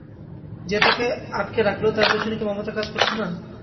যে তাঁকে আটকে রাখল, তার পেছনে কি মমতা কাজ করছে না?